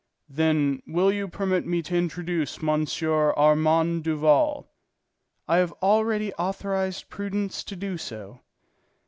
"Then, will you permit me to introduce M. Armand Duval?" "I had already authorized Prudence to do so."